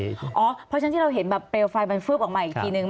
เพราะฉะนั้นที่เราเห็นแบบเปลวไฟมันฟืบออกมาอีกทีนึง